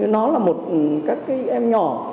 nó là một các cái em nhỏ